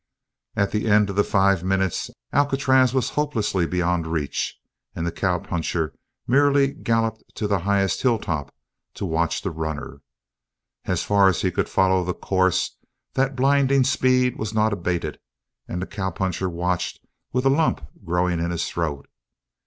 At the end of the five minutes Alcatraz was hopelessly beyond reach and the cowpuncher merely galloped to the highest hilltop to watch the runner. As far as he could follow the course, that blinding speed was not abated, and the cowpuncher watched with a lump growing in his throat.